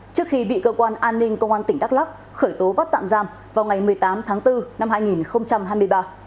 trước khi bị cơ quan an ninh công an tỉnh đắk lắc khởi tố bắt tạm giam vào ngày một mươi tám tháng bốn năm hai nghìn hai mươi ba